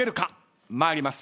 参ります。